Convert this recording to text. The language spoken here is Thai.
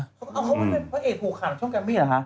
เพราะเขาไม่เป็นพระเอกผูกขาดของช่องแกรมมี่เหรอฮะ